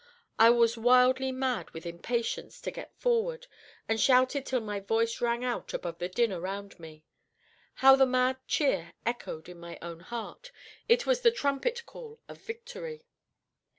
I was wildly mad with impatience to get forward, and shouted till my voice rang out above the din around me. How the mad cheer echoed in my own heart! It was the trumpet call of victory.